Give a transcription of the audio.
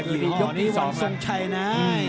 อ๋ออ่อนี่ห้อออนนี้ห้อธนตรสงชัยนะ